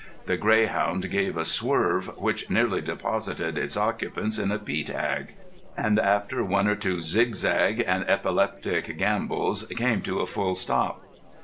The Greyhound gave a swerve which nearly deposited its occupants in a peat hag; and after one or two zigzag and epileptic gambols came to a full stop.